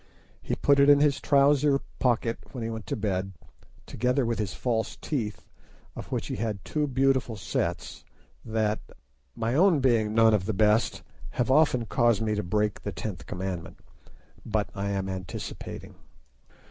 He put it in his trousers pocket when he went to bed, together with his false teeth, of which he had two beautiful sets that, my own being none of the best, have often caused me to break the tenth commandment. But I am anticipating.